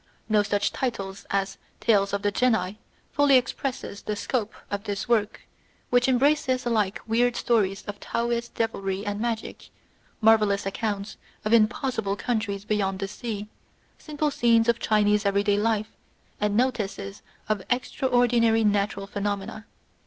No such title as "Tales of the Genii" fully expresses the scope of this work, which embraces alike weird stones of Taoist devilry and magic, marvellous accounts of im possible countries beyond the sea, simple scenes of Chinese every day life, and notices of extraordinary natural phenomena.